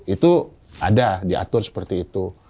itu ada diatur seperti itu